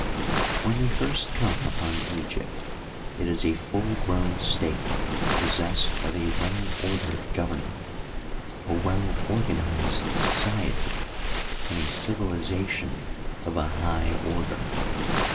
When we first come upon Egypt, it is a full g^own state possessed of a well ordered government, a well or ganized society, and a civilization of a high order.